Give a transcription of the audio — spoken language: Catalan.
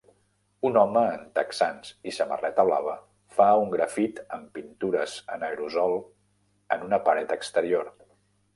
Un home en texans i samarreta blava fa un grafit amb pintures en aerosol en una paret exterior.